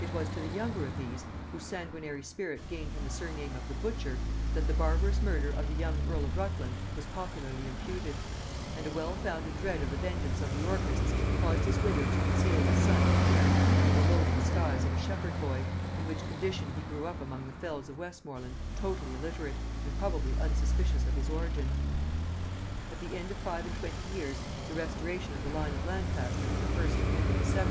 It was to the younger of these, whose sanguinary spirit gained him the surname of the Butcher, that the barbarous murder of the young earl of Rutland was popularly imputed; and a well founded dread of the vengeance of the Yorkists caused his widow to conceal his son and heir under the lowly disguise of a shepherd boy, in which condition he grew up among the fells of Westmorland totally illiterate, and probably unsuspicious of his origin. At the end of five and twenty years, the restoration of the line of Lancaster in the person of Henry VII.